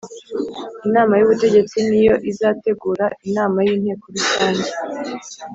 Inama y’ ubutegetsi niyo izategura inama y’inteko rusange